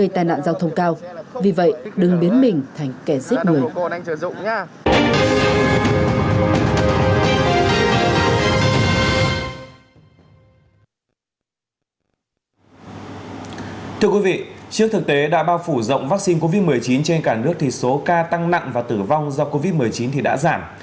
trước thực tế đã bao phủ rộng vaccine covid một mươi chín trên cả nước thì số ca tăng nặng và tử vong do covid một mươi chín thì đã giảm